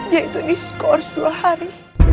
yaitu diskors dua hari